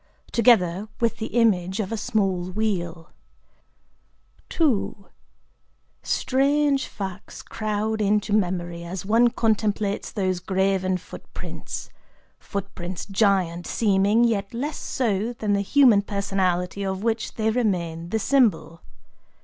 II Strange facts crowd into memory as one contemplates those graven footprints,—footprints giant seeming, yet less so than the human personality of which they remain the symbol.